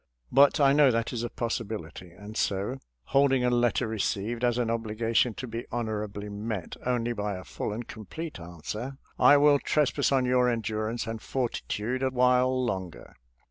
But I know that is a possibility, and so, holding a letter received as an obligation to be honorably met only by a full and complete answer, I will trespass on your endurance and fortitude a while longer.